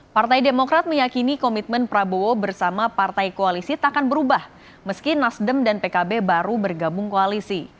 partai demokrat meyakini komitmen prabowo bersama partai koalisi tak akan berubah meski nasdem dan pkb baru bergabung koalisi